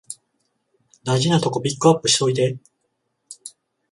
大事なとこピックアップしといて